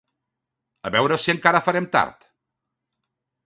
A veure si encara farem tard!